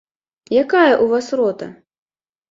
Якая ў вас рота?